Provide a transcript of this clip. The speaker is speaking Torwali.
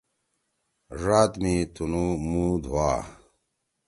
ڙاد می تُنُو مُو دُھوا۔